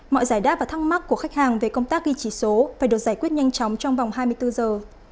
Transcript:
mọi giải đáp và thắc mắc của khách hàng về công tác ghi chỉ số phải được giải quyết nhanh chóng trong vòng hai mươi bốn giờ